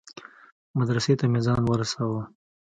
مدرسې ته مې ځان ورساوه.